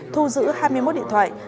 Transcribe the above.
thu giữ hai mươi một điện thoại